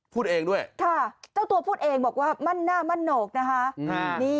พูดเองด้วยค่ะเจ้าตัวพูดเองบอกว่ามั่นหน้ามั่นโหนกนะคะ